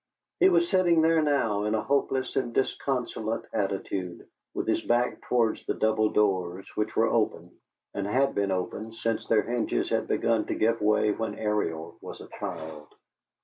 He was sitting there now, in a hopeless and disconsolate attitude, with his back towards the double doors, which were open, and had been open since their hinges had begun to give way, when Ariel was a child.